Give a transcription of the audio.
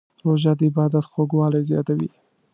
روژه د عبادت خوږوالی زیاتوي.